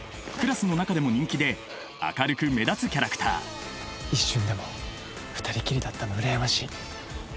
クラスの中でも人気で明るく目立つキャラクター一瞬でも２人きりだったの羨ましい。